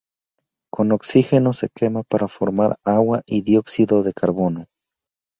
Con oxígeno se quema para formar agua y dióxido de carbono.